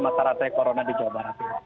masyarakat corona di jawa barat